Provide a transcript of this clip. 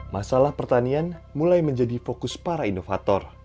masalah pertanian mulai menjadi fokus para inovator